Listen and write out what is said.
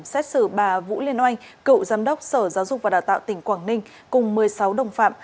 xét xử bà vũ liên oanh cựu giám đốc sở giáo dục và đào tạo tp hcm cùng một mươi sáu đồng phạm